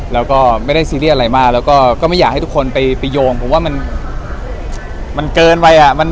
แล้วก็ไม่ได้ซีเรียสอะไรมากแล้วก็ไม่อยากให้ทุกคนไปโยงผมว่ามันเกินไป